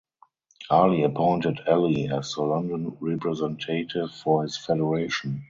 Ali appointed Alley as the London representative for his federation.